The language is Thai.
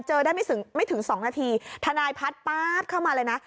เจอได้ไม่ถึง๒นาทีธนายพัดป๊าบเข้ามาเลยนะ